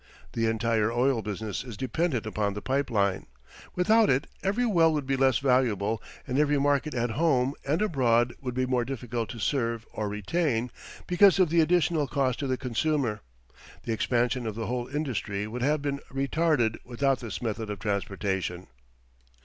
The entire oil business is dependent upon the pipe line. Without it every well would be less valuable and every market at home and abroad would be more difficult to serve or retain, because of the additional cost to the consumer. The expansion of the whole industry would have been retarded without this method of transportation.